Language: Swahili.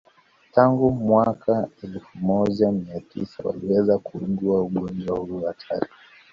Tangu mwaka elfu moja Mia tisa waliweza kuugua ugonjwa huu hatari